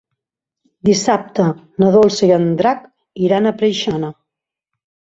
Dissabte na Dolça i en Drac iran a Preixana.